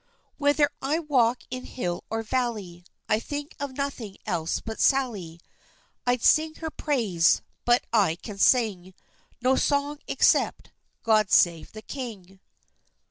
Whether I walk in hill or valley, I think of nothing else but Sally. I'd sing her praise, but I can sing No song, except "God save the king!"